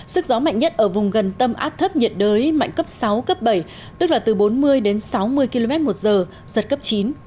sức gió mạnh nhất ở vùng gần tâm áp thấp nhiệt đới mạnh cấp sáu cấp bảy tức là từ bốn mươi đến sáu mươi km một giờ giật cấp chín